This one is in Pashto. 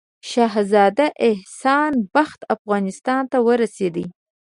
شهزاده احسان بخت افغانستان ته ورسېدی.